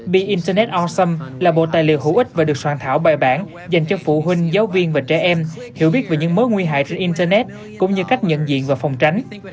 bị internet osom là bộ tài liệu hữu ích và được soạn thảo bài bản dành cho phụ huynh giáo viên và trẻ em hiểu biết về những mối nguy hại trên internet cũng như cách nhận diện và phòng tránh